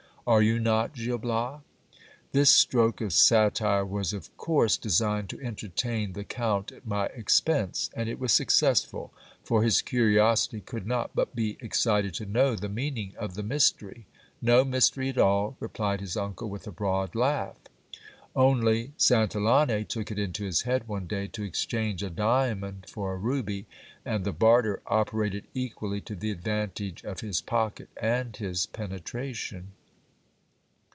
Are you not, Gil Bias ? This stroke of satire was of course designed to entertain the count at my expense, and it was successful, for his curiosity could not but be excited to know the meaning of the mystery. No mystery at all, replied his uncle with a broad laugh. Only Santillane took it into his head one day to exchange a diamond for a ruby, and the barter operated equally to the advantage of his pocket and his penetration.